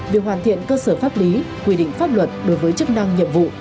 việc hoàn thiện cơ sở pháp lý quy định pháp luật đối với chức năng nhiệm vụ